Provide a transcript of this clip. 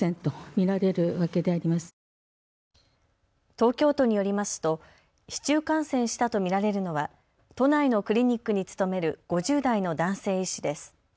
東京都によりますと市中感染したと見られるのは都内のクリニックに勤める５０代の男性医師です。